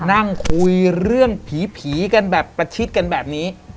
นั่งคุยเรื่องผีกันแบบประชิดกันแบบนี้